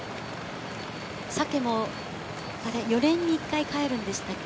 サケも４年に１回、返るんでしたっけ？